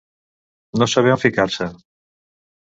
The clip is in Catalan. No saber on ficar-se.